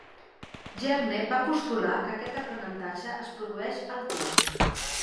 Jerne va postular que aquest aprenentatge es produeix al tim.